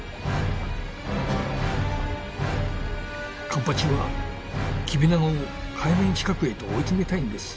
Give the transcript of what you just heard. カンパチはキビナゴを海面近くへと追い詰めたいんです。